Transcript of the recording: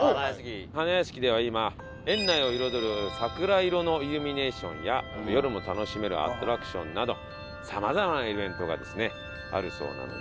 花やしきでは今園内を彩る桜色のイルミネーションや夜も楽しめるアトラクションなど様々なイベントがですねあるそうなので。